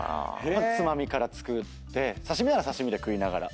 まずつまみから作って刺し身なら刺し身で食いながら。